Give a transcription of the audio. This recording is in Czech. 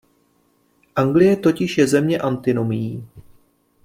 Anglie totiž je země antinomií.